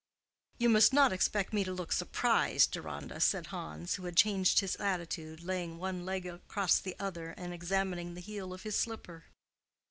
"You must not expect me to look surprised, Deronda," said Hans, who had changed his attitude, laying one leg across the other and examining the heel of his slipper.